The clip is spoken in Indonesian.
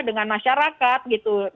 dengan masyarakat gitu